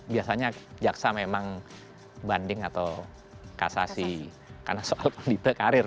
biasanya jaksa memang banding atau kasasi karena soal kodite karir